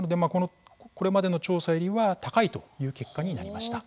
これまでの調査よりは高いという結果になりました。